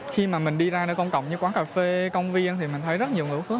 khi mà mình đi ra nơi công cộng như quán cà phê công viên thì mình thấy rất nhiều người hút thuốc